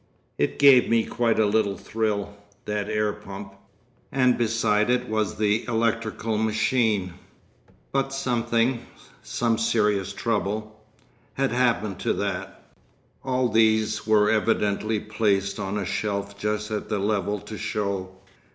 It gave me quite a little thrill—that air pump! And beside it was the electrical machine—but something—some serious trouble—had happened to that. All these were evidently placed on a shelf just at the level to show.